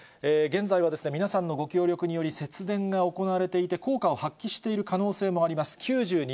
現在は皆さんのご協力により節電が行われていて、効果を発揮している可能性もあります。